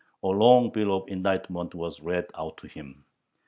A long bill of indictments was read out to him.